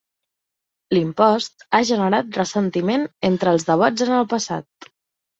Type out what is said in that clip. L'impost ha generat ressentiment entre els devots en el passat.